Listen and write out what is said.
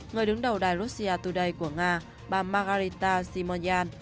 người đứng đầu đài russia today của nga bà margarita simonyan